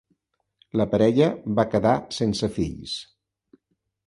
La parella va quedar sense fills.